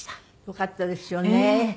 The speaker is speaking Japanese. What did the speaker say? よかったですよね。